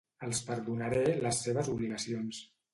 Els perdonaré les seves obligacions.